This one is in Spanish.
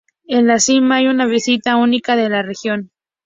En la cima hay una vista única de la región.